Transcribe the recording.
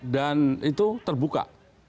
dan itu terbuka